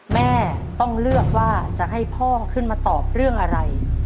แม่ต้องเลือกว่าจะให้พ่อขึ้นมาตอบเรื่องอะไร